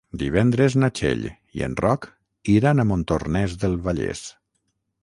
Divendres na Txell i en Roc iran a Montornès del Vallès.